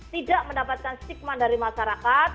tidak mendapatkan stigma dari masyarakat